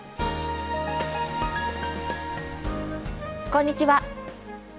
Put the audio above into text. こんにちは。